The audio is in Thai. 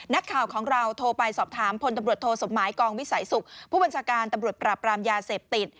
นักข่าวของเราโทรไปสอบถามพลตำรวจโทสมหมายกองวิสัยสุขผู้บัญชาการตำรวจปราบรามยาเสพติด